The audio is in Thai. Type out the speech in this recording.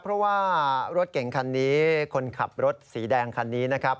เพราะว่ารถเก่งคันนี้คนขับรถสีแดงคันนี้นะครับ